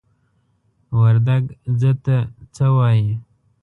وردگ "ځه" ته "څَ" وايي.